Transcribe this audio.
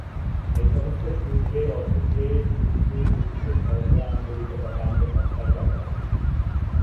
এই-সমস্ত শুভে অশুভে সুখে দুঃখে সর্বদা আন্দোলিত প্রকাণ্ড সংসারযাত্রা।